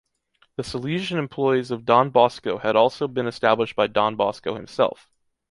The Salesian employees of Don Bosco had also been established by Don Bosco himself.